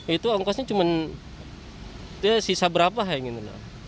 itu angkasnya cuma sisa berapa ya gitu